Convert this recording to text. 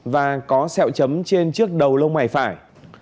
và có xeo chấm trên trước đầu lông ngoài phải